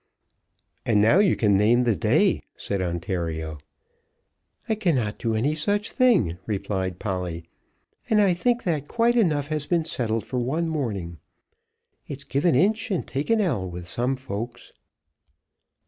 "And now you can name the day," said Ontario. "I cannot do any such thing," replied Polly; "and I think that quite enough has been settled for one morning. It's give an inch and take an ell with some folks."